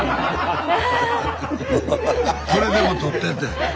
これでも撮ってって。